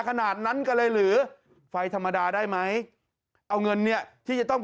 ขนาดนั้นกันเลยหรือไฟธรรมดาได้ไหมเอาเงินเนี่ยที่จะต้อง